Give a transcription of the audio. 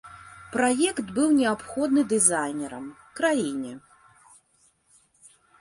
Праект быў неабходны дызайнерам, краіне.